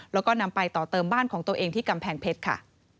แล้วก็นำไปต่อเติมบ้านของตัวเองที่กำแพงเพชรค่ะ